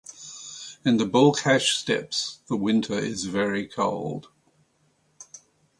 In the Balkhash steppes the winter is very cold.